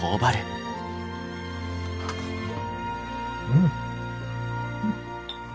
うん！